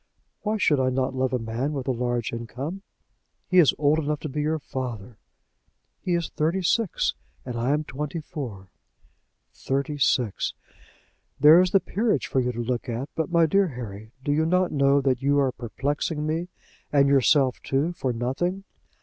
"Why should I not love a man with a large income?" "He is old enough to be your father." "He is thirty six, and I am twenty four." "Thirty six!" "There is the Peerage for you to look at. But, my dear Harry, do you not know that you are perplexing me and yourself too, for nothing?